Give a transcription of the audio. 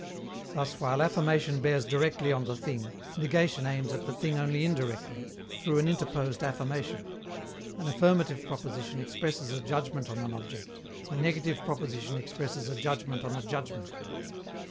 Thus, while affirmation bears directly on the thing, negation aims at the thing only indirectly, through an interposed affirmation. An affirmative proposition expresses a judgment on an object; a negative proposition expresses a judgment on a judgment.